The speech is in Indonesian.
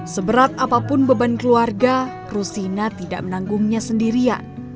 seberat apapun beban keluarga krusina tidak menanggungnya sendirian